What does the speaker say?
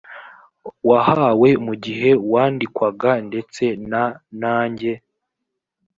wahawe mu gihe wandikwaga ndetse na nanjye